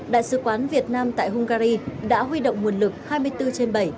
đại sứ quán việt nam tại hungary đã huy động nguồn lực hai mươi bốn trên bảy